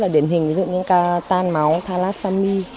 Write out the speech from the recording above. điển hình ví dụ như ca tan máu thalassomy